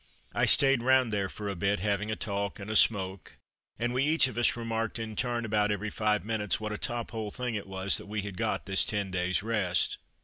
I stayed round there for a bit, having a talk and a smoke, and we each of us remarked in turn, about every five minutes, what a top hole thing it was that we had got this ten days' rest.